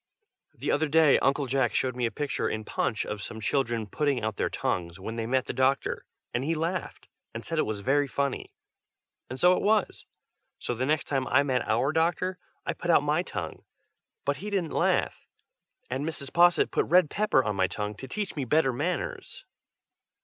The other day Uncle Jack showed me a picture in Punch, of some children putting out their tongues when they met the doctor, and he laughed, and said it was very funny, and so it was: so then the next time I met our doctor, I put out my tongue, but he didn't laugh, and Mrs. Posset put red pepper on my tongue, to teach me better manners.